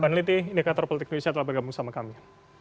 terima kasih indekator politik indonesia telah bergabung sama kami